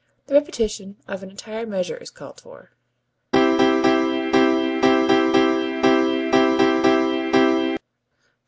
28 the repetition of an entire measure is called for.